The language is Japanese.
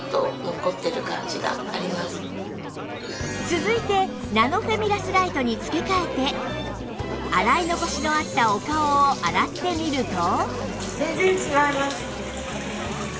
続いてナノフェミラスライトに付け替えて洗い残しのあったお顔を洗ってみると